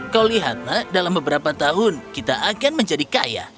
kau lihatlah dalam beberapa tahun kita akan menjadi kaya